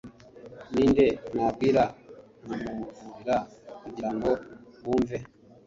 Ni nde nabwira nkamuburira kugira ngo bumve